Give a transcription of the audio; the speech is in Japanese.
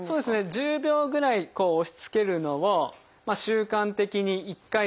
１０秒ぐらい押しつけるのを習慣的に１回とか２回。